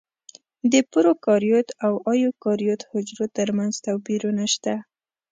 د پروکاریوت او ایوکاریوت حجرو ترمنځ توپیرونه شته.